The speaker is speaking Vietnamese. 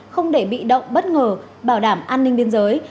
không để bị động bất ngờ bảo đảm an ninh biên giới